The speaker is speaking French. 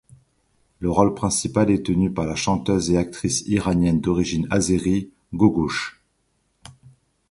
Le rôle principal est tenu par la chanteuse et actrice iranienne d'origine azérie, Gougoush.